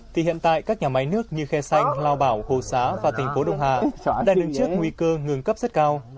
thì hiện tại các nhà máy nước như khe xanh lao bảo hồ xá và thành phố đông hà đang đứng trước nguy cơ ngừng cấp rất cao